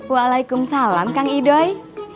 waalaikumsalam kang idoi